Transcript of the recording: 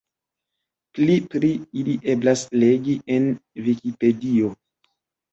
Pli pri ili eblas legi en Vikipedio.